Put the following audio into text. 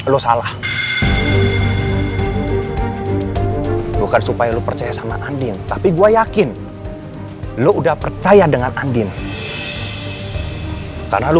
lu salah bukan supaya lu percaya sama andien tapi gua yakin lu udah percaya dengan andien karena lu